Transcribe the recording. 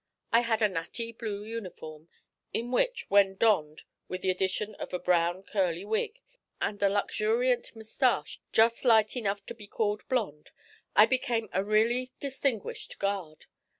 I had a natty blue uniform, in which, when donned with the addition of a brown curly wig, and a luxuriant moustache just light enough to be called blond, I became a really distinguished guard.